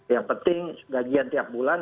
yang penting gajian tiap bulan